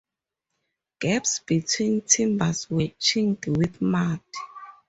Gaps between timbers were chinked with mud.